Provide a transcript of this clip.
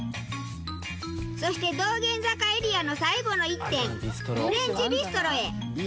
そして道玄坂エリアの最後の１店フレンチビストロへ。